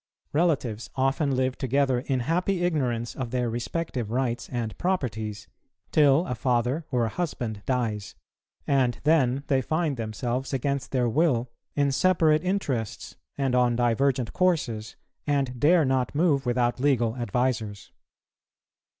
Relatives often live together in happy ignorance of their respective rights and properties, till a father or a husband dies; and then they find themselves against their will in separate interests, and on divergent courses, and dare not move without legal advisers.